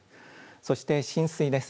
そして浸水です。